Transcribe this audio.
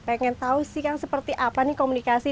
pengen tahu sih kang seperti apa nih komunikasi